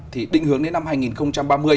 thì định hướng đến năm hai nghìn ba mươi